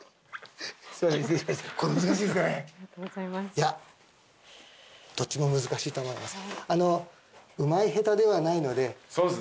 いやどっちも難しいと思います。